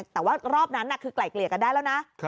แต่ว่ารอบนั้นคือไกล่เกลี่ยกันได้แล้วนะ